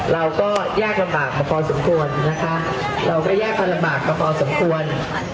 เราก็แยกกันลำบากกันพอสมควร